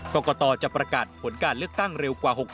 กรกตจะประกาศผลการเลือกตั้งเร็วกว่า๖๐